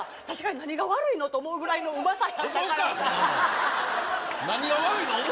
確かに何が悪いのと思うぐらいのうまさ「何が悪いの？」